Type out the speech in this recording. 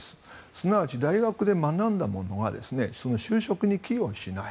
すなわち、大学で学んだものが就職に寄与しない。